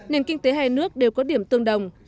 nền kinh tế hai nước đều có điểm tương đồng